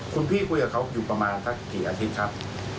คุณพี่คุยกับเขาอยู่ประมาณสักกี่อาทิตย์ครับ